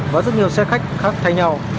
và rất nhiều xe khách khác thay nhau